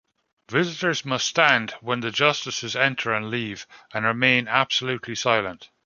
Visitors must stand when the Justices enter and leave, and remain absolutely silent.